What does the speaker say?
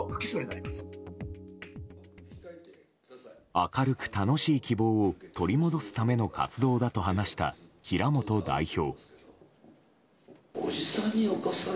明るく楽しい希望を取り戻すための活動だと話した平本代表。